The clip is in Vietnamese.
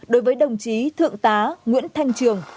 đối với đồng chí thượng tá nguyễn thanh trường